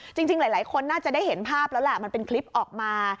จริงหลายคนน่าจะได้เห็นภาพแล้วแหละมันเป็นคลิปออกมา